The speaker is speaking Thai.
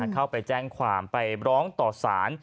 เข้าไปแจ้งความไปร้องต่อสาร